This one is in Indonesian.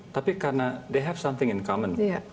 tapi karena mereka punya sesuatu yang sama